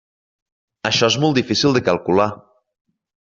Això és molt difícil de calcular.